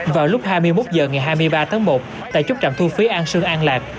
vào lúc hai mươi một h ngày hai mươi ba tháng một tại chốt trạm thu phí an sương an lạc